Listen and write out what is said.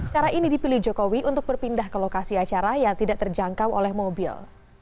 cara ini dipilih jokowi untuk berpindah ke lokasi acara yang tidak terjangkau oleh mobil